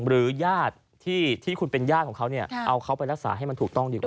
หรือญาติที่คุณเป็นญาติของเขาเนี่ยเอาเขาไปรักษาให้มันถูกต้องดีกว่า